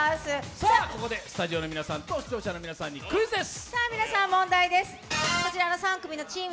ここでスタジオの皆さんと視聴者の皆さんにクイズです。